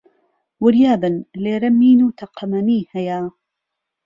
وریا بن، لێرە مین و تەقەمەنی هەیە